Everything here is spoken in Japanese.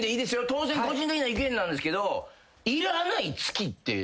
当然個人的な意見なんですけど。